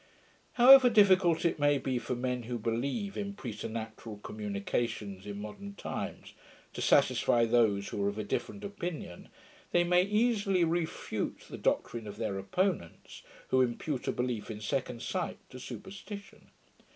However difficult it may be for men who believe in preternatural communications, in modern times, to falsify those who are of a different opinion, they may easily refute the doctrine of their opponents, who impute a belief in second sight to superstition.